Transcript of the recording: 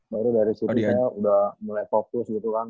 baru dari situ saya udah mulai fokus gitu kan